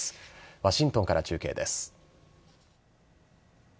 ワシントンから中継です。